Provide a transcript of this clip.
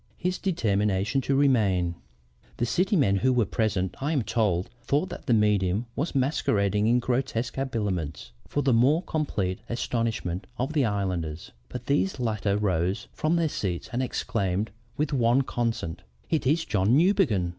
HIS DETERMINATION TO REMAIN "The city men who were present, I am told, thought that the medium was masquerading in grotesque habiliments for the more complete astonishment of the islanders, but these latter rose from their seats and exclaimed with one consent: 'It is John Newbegin!'